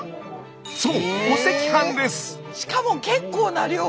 そうしかも結構な量。